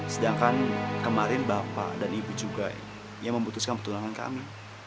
sedangkan kemarin bapak dan ibu juga yang memutuskan pertulangan kami